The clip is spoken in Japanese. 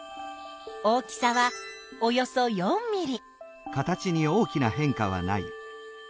大きさはおよそ４ｍｍ。